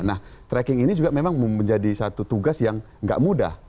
nah tracking ini juga memang menjadi satu tugas yang nggak mudah